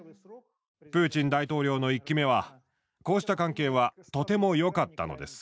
プーチン大統領の１期目はこうした関係はとても良かったのです。